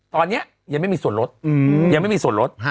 ตอนนี้ยังไม่มีส่วนลด